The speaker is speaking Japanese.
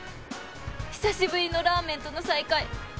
久しぶりのラーメンとの再会